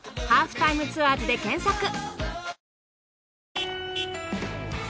『ハーフタイムツアーズ』で検索。